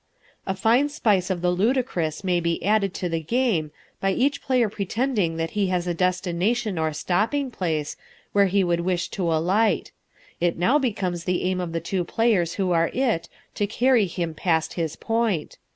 A fine spice of the ludicrous may be added to the game by each player pretending that he has a destination or stopping place, where he would wish to alight. It now becomes the aim of the two players who are "it" to carry him past his point.